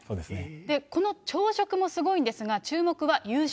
この朝食もすごいんですが、注目は夕食。